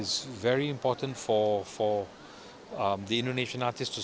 sangat penting untuk artis indonesia untuk bertahan